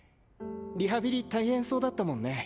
リハビリ大変そうだったもんね。